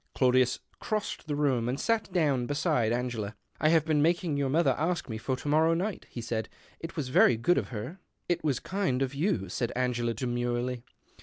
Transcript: Claudius crossed the room nd sat down beside Anerela. " I have been making your mother ask me or to morrow night," he said. " It was very jood of her." " It was kind of you," said Angela, demurely.